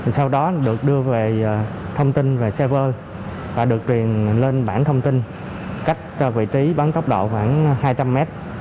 sau đó được đưa về thông tin về xe vơi và được truyền lên bản thông tin cách vị trí bắn tốc độ khoảng hai trăm linh m